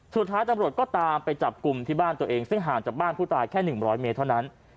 สุดท้ายตำรวจก็ตามไปจับกลุ่มที่บ้านตัวเองซึ่งห่างจากบ้านผู้ตายแค่๑๐๐เมตรเท่านั้น